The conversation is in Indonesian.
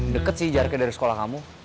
deket sih jaraknya dari sekolah kamu